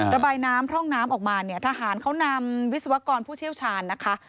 ระบายน้ำพร่องน้ำออกมาเนี่ยทหารเขานำวิศวกรผู้เชี่ยวชาญนะคะ